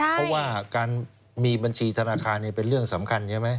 เพราะว่าการมีบัญชีธนาคารเป็นเรื่องสำคัญใช่ไหม